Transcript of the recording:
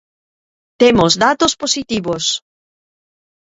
Temos datos positivos.